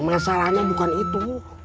masalahnya bukan itu